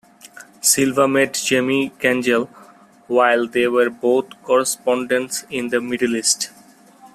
Silva met Jamie Gangel while they were both correspondents in the Middle East.